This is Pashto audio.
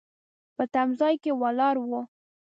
په تم ځای کې ولاړ و.